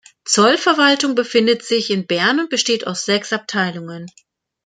Zollverwaltung befindet sich in Bern und besteht aus sechs Abteilungen.